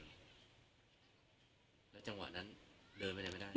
แล้วจังหวะนั้นเดินไปไหนไม่ได้